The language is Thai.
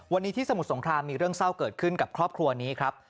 วันนี้ที่สมุทรสงครามมีเรื่องเศร้าเกิดขึ้นกับครอบครัวนี้ครับ